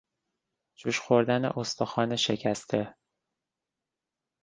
جوش خوردن استخوان شکسته